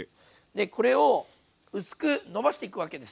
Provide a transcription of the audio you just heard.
でこれを薄くのばしていくわけですよ。